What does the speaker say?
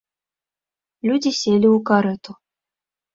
Людзі селі ў карэту.